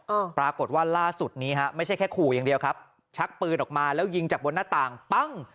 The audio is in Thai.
อ่าปรากฏว่าล่าสุดนี้ฮะไม่ใช่แค่ขู่อย่างเดียวครับชักปืนออกมาแล้วยิงจากบนหน้าต่างปั้ง